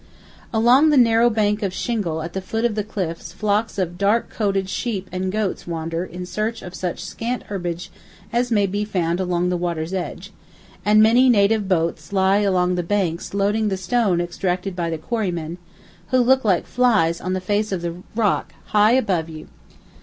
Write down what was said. Along the narrow bank of shingle at the foot of the cliffs flocks of dark coated sheep and goats wander in search of such scant herbage as may be found along the water's edge, and many native boats lie along the banks loading the stone extracted by the quarrymen, who look like flies on the face of the rock high above you.